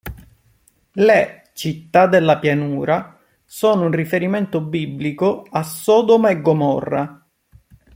Le "città della pianura" sono un riferimento biblico a Sodoma e Gomorra.